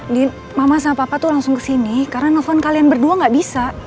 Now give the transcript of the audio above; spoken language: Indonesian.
ini mama sama papa tuh langsung kesini karena nelfon kalian berdua gak bisa